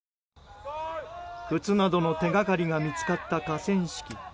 靴などの手がかりが見つかった河川敷。